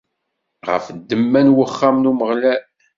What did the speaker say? Ɣef ddemma n wexxam n Umeɣlal.